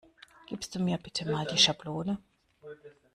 Gibst du mir bitte Mal die Schablone?